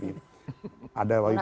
munaslo terus partai gol pahical